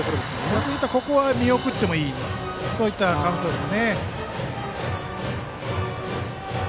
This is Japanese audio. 逆にここは見送ってもいいそういったカウントです。